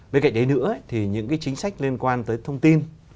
bên cạnh đấy nữa thì những cái chính sách liên quan tới thông tin